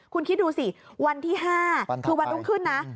คุณคิดดูสิวันที่๕คือวันรุ่งขึ้นนะ